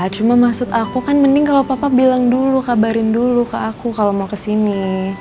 cuma maksud aku kan mending kalau papa bilang dulu kabarin dulu ke aku kalau mau ke sini